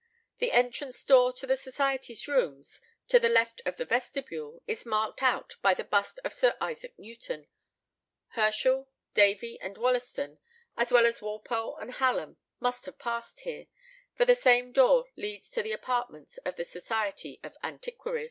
The entrance door to the society's rooms, to the left of the vestibule, is marked out by the bust of Sir Isaac Newton; Herschel, Davy, and Wollaston, as well as Walpole and Hallam, must have passed here, for the same door leads to the apartments of the Society of Antiquaries.